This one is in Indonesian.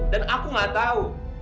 dan aku gak tau